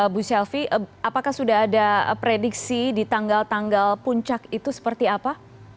bu shelfie apakah sudah ada prediksi di tanggal tanggal puncak itu seperti apa